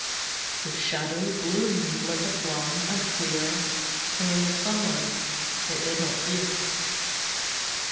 The Shadow, bloomed like a plum, and clear, Hung in the sunlight. It did not hear.